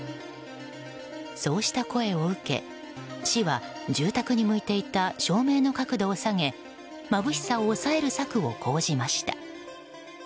そうした声を受け市は住宅に向いていた照明の角度を下げ眩しさを抑える策を講じました。